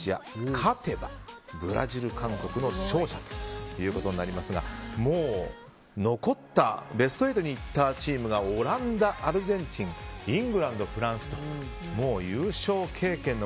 勝てばブラジルと韓国の勝者とということでもうベスト８に行ったチームがオランダ、アルゼンチンイングランド、フランスともう優勝経験の。